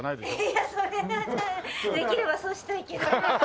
いやそれはできればそうしたいけど。